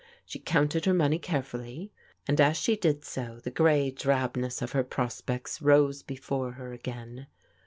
She counted her money carefully, and as she did so, the gray drabness of her prospects rose before her again.